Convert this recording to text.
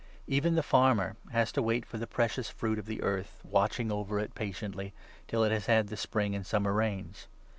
Even the farmer has to wait for the precious fruit of the earth, watching over it patiently, till it has had the spring and summer rains.